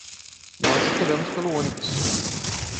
Nós esperamos pelo ônibus